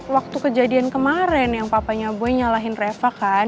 waktu kejadian kemarin yang papanya gue nyalahin reva kan